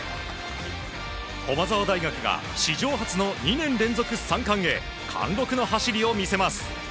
駒澤大学が史上初の２年連続３冠へ貫禄の走りを見せます。